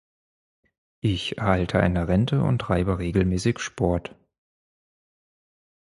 Ich erhalte eine Rente und treibe regelmäßig Sport.